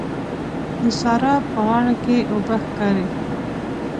د سارا په غاړه کې اوبه ښکاري.